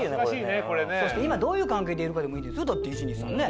そして今どういう関係でいるかでもいいですよ１２３ね。